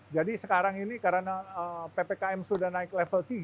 jadi sekarang ini karena ppkm sudah naik level tiga